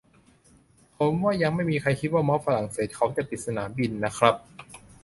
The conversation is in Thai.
ผมว่ายังไม่มีใครคิดว่าม็อบฝรั่งเศสเขาจะปิดสนามบินนะครับ